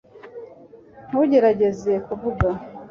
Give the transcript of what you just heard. Ntugerageze kuvuga